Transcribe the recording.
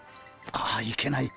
ああいけない。